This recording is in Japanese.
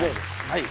はい